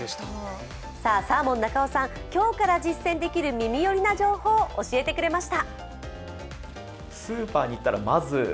サーモン中尾さん、今日から実践できる耳寄りな情報を教えてくれました。